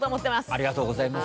ありがとうございます。